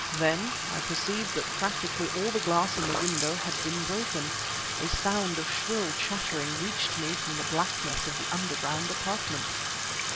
Then I perceived that practically all the glass in the window had been broken. A sound of shrill chattering reached me from the blackness of the underground apartment.